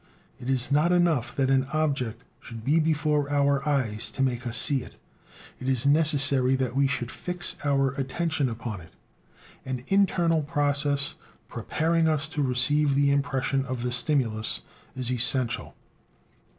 It is not enough that an object should be before our eyes to make us see it; it is necessary that we should fix our attention upon it; an internal process, preparing us to receive the impression of the stimulus, is essential.